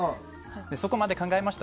そこまで考えました？